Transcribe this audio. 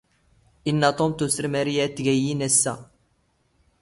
ⵉⵏⵏⴰ ⵟⵓⵎ ⵜⵓⵙⵔ ⵎⴰⵔⵉ ⴰⴷ ⵜⴳ ⴰⵢⵉⵏⵏ ⴰⵙⵙ ⴰ.